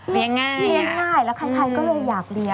ง่ายเลี้ยงง่ายแล้วใครก็เลยอยากเลี้ยง